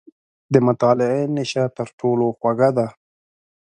• د مطالعې نیشه تر ټولو خوږه ده.